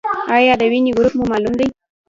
ایا د وینې ګروپ مو معلوم دی؟